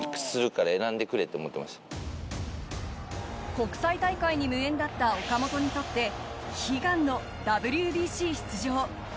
国際大会に無縁だった岡本にとって、悲願のＷＢＣ出場。